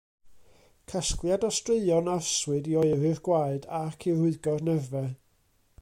Casgliad o straeon arswyd i oeri'r gwaed ac i rwygo'r nerfau.